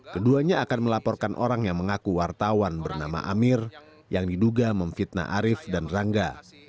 keduanya akan melaporkan orang yang mengaku wartawan bernama amir yang diduga memfitnah arief dan rangga